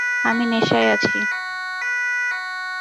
আমি নেশায় আছি।